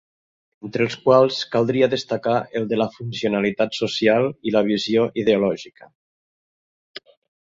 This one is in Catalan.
...entre els quals caldria destacar el de la funcionalitat social i la visió ideològica.